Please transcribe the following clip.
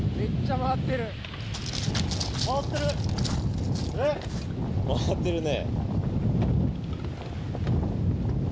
回ってるね。